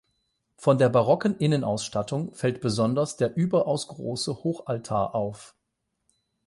Von der barocken Innenausstattung fällt besonders der überaus große Hochaltar auf.